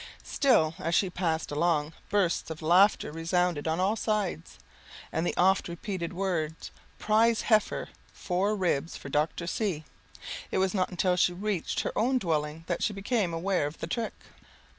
Still, as she passed along, bursts of laughter resounded on all sides, and the oft repeated words, "Prize Heifer four ribs for Dr. C ;" it was not until she reached her own dwelling that she became aware of the trick.